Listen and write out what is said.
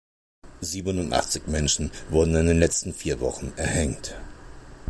Siebenundachtzig Menschen wurden in den letzten vier Wochen erhängt.